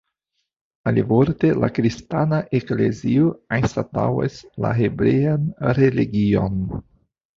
Alivorte, la kristana eklezio anstataŭas la hebrean religion.